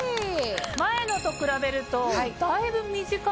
前のと比べるとだいぶ短い。